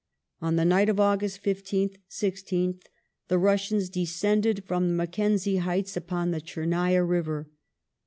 On the night of August 15th 16th the Russians descended fi om the Mac kenzie Heights upon the Tchernaya River.